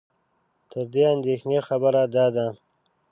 تر دې اندېښنې خبره دا ده